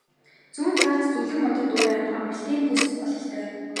Зүүн талд зүлэг модоор дүүрэн амралтын бүс бололтой.